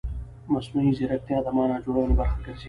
مصنوعي ځیرکتیا د معنا جوړونې برخه ګرځي.